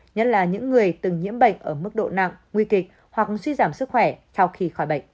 nhất là những người từng nhiễm bệnh ở mức độ nặng nguy kịch hoặc suy giảm sức khỏe sau khi khỏi bệnh